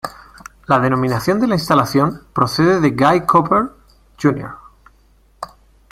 La denominación de la instalación procede de Guy Cooper, Jr.